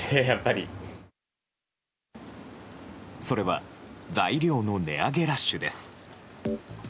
それは材料の値上げラッシュです。